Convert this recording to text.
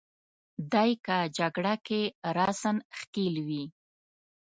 دای که جګړه کې راساً ښکېل وي.